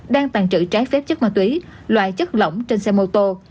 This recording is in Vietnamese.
đang tàn trữ trái phép chất ma túy loại chất lỏng trên xe mô tô